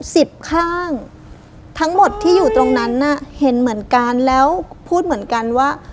สิบข้างทั้งหมดที่อยู่ตรงนั้นน่ะเห็นเหมือนกันแล้วพูดเหมือนกันว่า